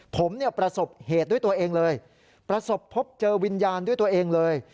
ผมเนี่ยประสบเหตุด้วยตัวเองเลยประสบพบเจอวิญญาณด้วยตัวเองเลย